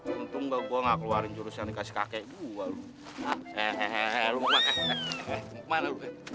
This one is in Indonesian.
untung gue gak keluarin jurus yang dikasih kakek gue